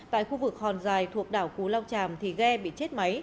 tại khu vực hòn giài thuộc đảo cú lao chàm thì ghe bị chết máy